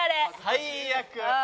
最悪。